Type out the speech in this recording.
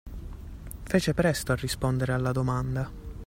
Fece presto a rispondere alla domanda.